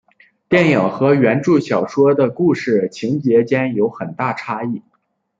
电影和原着小说的故事情节间有很大差异。